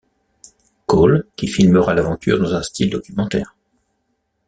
Cole, qui filmera l’aventure dans un style documentaire.